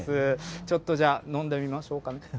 ちょっとじゃあ、飲んでみましょうかね。